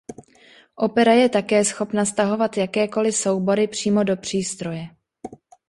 Opera je také schopna stahovat jakékoliv soubory přímo do přístroje.